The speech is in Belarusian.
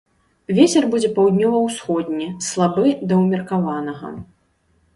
Вецер будзе паўднёва-ўсходні, слабы да ўмеркаванага.